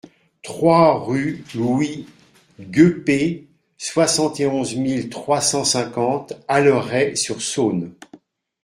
trois rue Louis Guepey, soixante et onze mille trois cent cinquante Allerey-sur-Saône